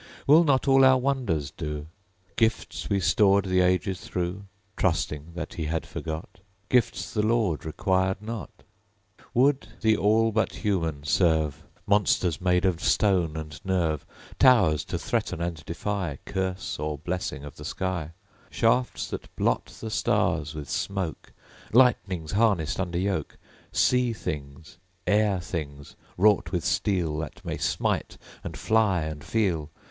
Will not all our wonders do? Gifts we stored the ages through, (Trusting that He had forgot) Gifts the Lord requirèd not? Would the all but human serve! Monsters made of stone and nerve; Towers to threaten and defy Curse or blessing of the sky; Shafts that blot the stars with smoke; Lightnings harnessed under yoke; Sea things, air things, wrought with steel, That may smite, and fly, and feel!